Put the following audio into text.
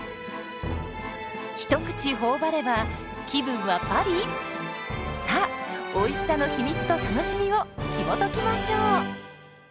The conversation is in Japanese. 一口頬張れば気分はパリ⁉さあおいしさの秘密と楽しみをひもときましょう。